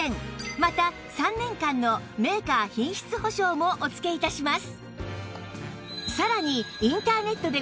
また３年間のメーカー品質保証もお付け致します